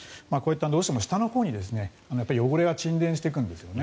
どうしても下のほうに汚れが沈殿していくんですよね。